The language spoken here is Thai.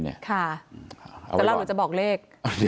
จะเล่าหรือจะบอกเลข